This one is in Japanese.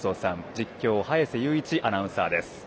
実況は早瀬雄一アナウンサーです。